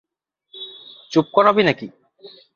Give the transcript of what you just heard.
চুপ করাবি নাকি?